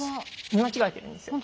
見間違えてるんですよ。